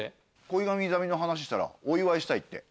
恋神イザミの話したらお祝いしたいって。